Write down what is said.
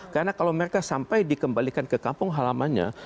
karena kalau mereka sampai dikembalikan ke kampung halamannya